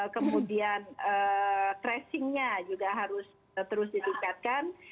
kemudian tracingnya juga harus terus ditingkatkan